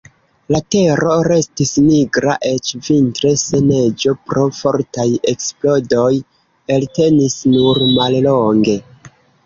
La tero restis nigra, eĉ vintre, se neĝo pro fortaj eksplodoj eltenis nur mallonge.